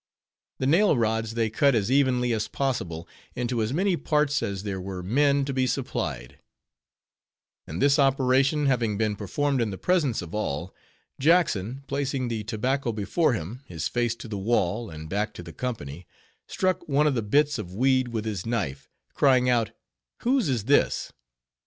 _ The nail rods they cut as evenly as possible into as many parts as there were men to be supplied; and this operation having been performed in the presence of all, Jackson, placing the tobacco before him, his face to the wall, and back to the company, struck one of the bits of weed with his knife, crying out, "Whose is this?"